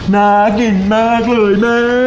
น่ากินมากเลยแม่